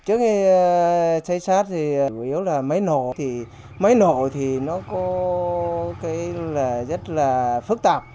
trước khi xây sát thì chủ yếu là máy nổ máy nổ thì nó có cái rất là phức tạp